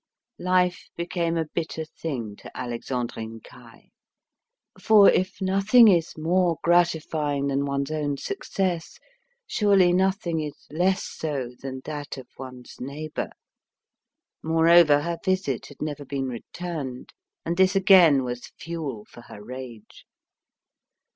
Life became a bitter thing to Alexandrine Caille, for if nothing is more gratifying than one's own success, surely nothing is less so than that of one's neighbour. Moreover, her visit had never been returned, and this again was fuel for her rage.